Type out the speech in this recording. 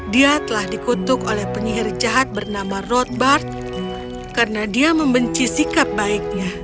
dia telah dikutuk oleh penyihir jahat bernama rothbard karena dia membenci sikap baiknya